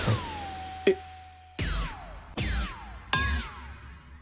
えっ！？